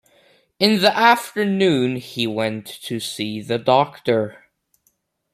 In the afternoon he went to see the doctor.